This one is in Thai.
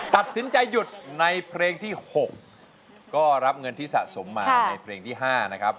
ตัดสินใจหยุดในเพลงที่๖ก็รับเงินที่สะสมมาในเพลงที่๕นะครับ